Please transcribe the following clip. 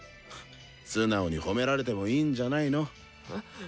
素直に褒められてもいいんじゃないの？